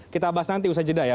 kita bahas nanti usaha jeda ya